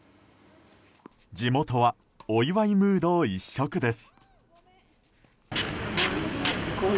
地元はお祝いムード一色です。